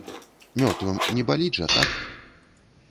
Мёртвым не баліць жа, так?